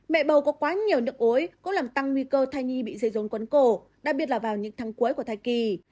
mẹ bầu có quá nhiều nước ối cũng làm tăng nguy cơ thai nhi bị dây rôn quấn cổ đặc biệt là vào những tháng cuối của thai kỳ